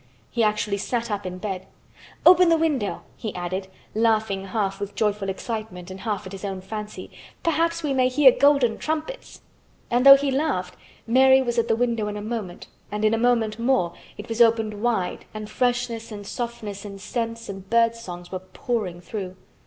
He actually sat up in bed. "Open the window!" he added, laughing half with joyful excitement and half at his own fancy. "Perhaps we may hear golden trumpets!" And though he laughed, Mary was at the window in a moment and in a moment more it was opened wide and freshness and softness and scents and birds' songs were pouring through.